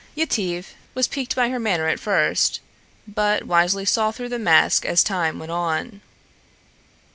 Yetive was piqued by her manner at first, but wisely saw through the mask as time went on.